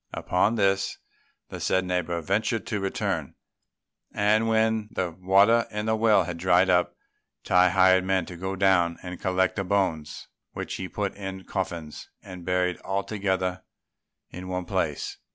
Upon this, the said neighbour ventured to return; and when the water in the well had dried up, Tai hired men to go down and collect the bones, which he put in coffins and buried all together in one place.